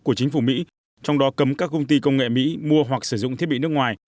của chính phủ mỹ trong đó cấm các công ty công nghệ mỹ mua hoặc sử dụng thiết bị nước ngoài